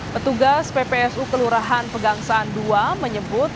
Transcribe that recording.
petugas ppsu kelurahan pegangsaan ii menyebut